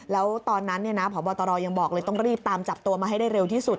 แล้วตอนนั้นพบตรยังบอกเลยต้องรีบตามจับตัวมาให้ได้เร็วที่สุด